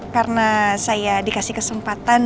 karena saya dikasi kesempatan